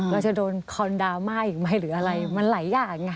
เราจะโดนคอนดาม่ายหรืออะไรมันหลายอย่าง